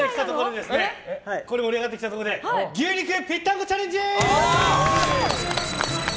盛り上がってきたところで牛肉ぴったんこチャレンジ！